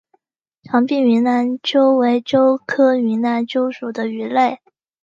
长臀云南鳅为鳅科云南鳅属的鱼类。